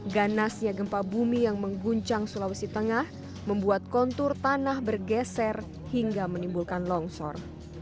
ganasnya gempa bumi yang mengguncang sulawesi tengah membuat kontur tanah bergeser hingga menimbulkan longsor